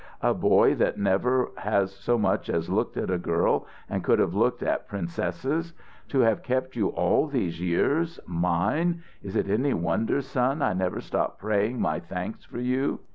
A boy that never has so much as looked at a girl and could have looked at princesses. To have kept you all these years mine is it any wonder, son, I never stop praying my thanks for you?